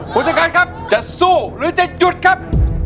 คุณชะกันครับจะสู้หรือจะหยุดครับ